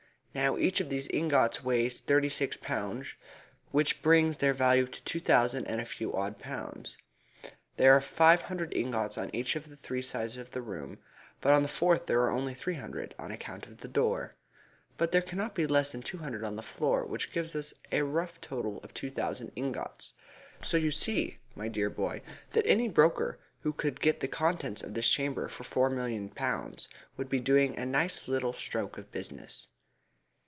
Now each of these ingots weighs thirty six pounds, which brings their value to two thousand and a few odd pounds. There are five hundred ingots on each of these three sides of the room, but on the fourth there are only three hundred, on account of the door, but there cannot be less than two hundred on the floor, which gives us a rough total of two thousand ingots. So you see, my dear boy, that any broker who could get the contents of this chamber for four million pounds would be doing a nice little stroke of business."